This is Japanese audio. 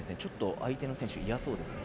相手の選手がいやそうですね。